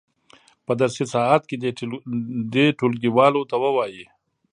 په درسي ساعت کې دې ټولګیوالو ته ووایي.